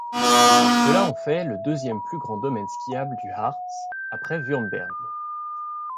Cela en fait le deuxième plus grand domaine skiable du Harz après Wurmberg.